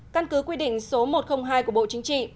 căn cứ quy định số một trăm linh hai của bộ chính trị